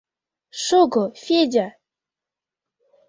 — Шого, Федя!